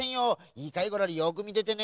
いいかいゴロリよくみててね。